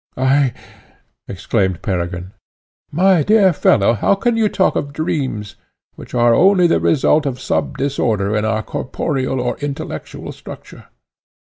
"I!" exclaimed Peregrine "My dear fellow, how can you talk of dreams, which are only the result of some disorder in our corporeal or intellectual structure?"